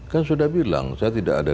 kan sudah bilang saya tidak ada